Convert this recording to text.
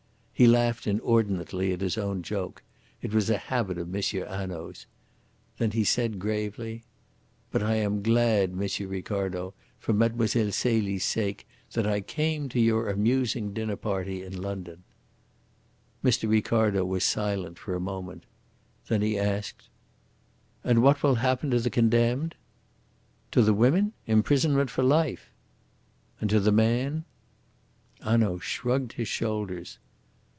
He laughed inordinately at his own joke; it was a habit of M. Hanaud's. Then he said gravely: "But I am glad, M. Ricardo, for Mlle. Celie's sake that I came to your amusing dinner party in London." Mr. Ricardo was silent for a moment. Then he asked: "And what will happen to the condemned?" "To the women? Imprisonment for life." "And to the man?" Hanaud shrugged his shoulders.